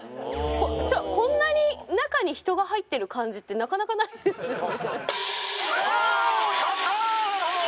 こんなに中に人が入ってる感じってなかなかないですよね